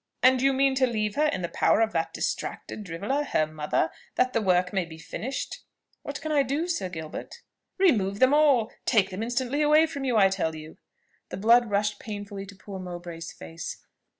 "And you mean to leave her in the power of that distracted driveller, her mother, that the work may be finished?" "What can I do, Sir Gilbert?" "Remove them all. Take them instantly away from her, I tell you." The blood rushed painfully to poor Mowbray's face.